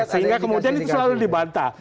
sehingga kemudian itu selalu dibantah